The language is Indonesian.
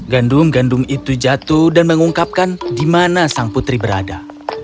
gandum gandum itu jatuh dan mengungkapkan di mana sang putri berada